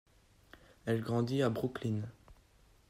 Elle grandit à Brooklyn.